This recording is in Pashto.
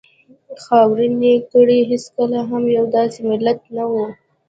موږ پر دې خاورینې کرې هېڅکله هم یو داسې ملت نه وو.